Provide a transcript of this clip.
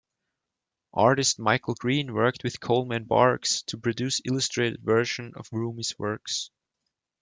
Artist Michael Green worked with Coleman Barks to produce illustrated version of Rumi's works.